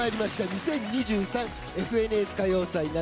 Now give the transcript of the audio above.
「２０２３ＦＮＳ歌謡祭夏」